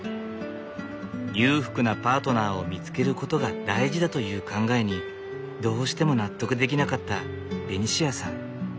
裕福なパートナーを見つけることが大事だという考えにどうしても納得できなかったベニシアさん。